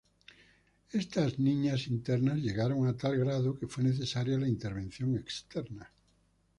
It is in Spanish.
Estas riñas internas llegaron a tal grado que fue necesaria la intervención externa.